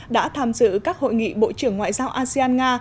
đã tham dự các hội nghị bộ trưởng ngoại giao asean nga